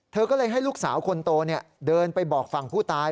เธอก็เลยให้ลูกสาวคนโตเดินไปบอกฝั่งผู้ตาย